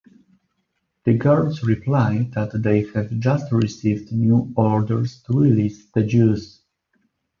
The guards reply that they have just received new orders to release the Jews.